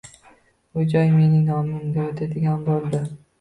Uy-joy mening nomimga oʻtadigan boʻldi.